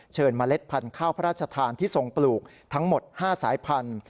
เมล็ดพันธุ์ข้าวพระราชทานที่ทรงปลูกทั้งหมด๕สายพันธุ